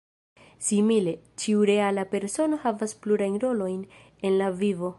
Simile, ĉiu reala persono havas plurajn rolojn en la vivo.